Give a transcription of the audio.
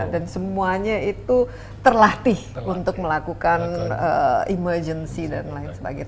dan semuanya itu terlatih untuk melakukan emergency dan lain sebagainya